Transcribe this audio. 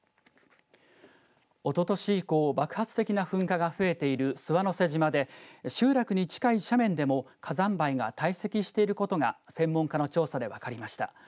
おととし以降爆発的な噴火が増えている諏訪之瀬島で集落に近い斜面でも火山灰がたい積していることが専門家の調査で分かりました。